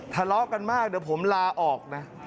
ทะเลาะกันมากเดี๋ยวผมลาออกนะ